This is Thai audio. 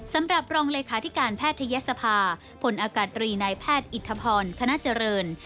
สำหรับรองเลขาธิการแพทยศภาพลอากาศรีนายแพทย์อิทธพรคณะเจริญ